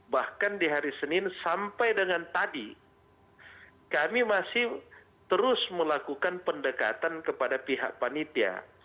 bahkan di hari senin sampai dengan tadi kami masih terus melakukan pendekatan kepada pihak panitia